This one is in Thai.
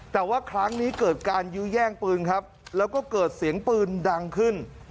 แต่ว่าครั้งนี้เกิดการยื้อแย่งปืนครับแล้วก็เกิดเสียงปืนดังขึ้น